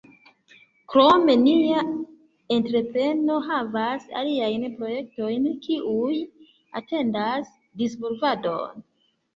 Krome, nia entrepreno havas aliajn projektojn kiuj atendas disvolvadon.